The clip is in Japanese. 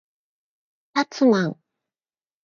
たつまん